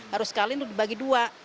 harus sekali untuk dibagi dua